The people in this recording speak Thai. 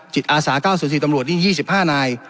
จิตอาสา๙๐๔ตำรวจ๒๕นาย